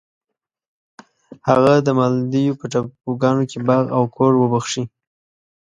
هغه د مالدیو په ټاپوګانو کې باغ او کور وبخښی.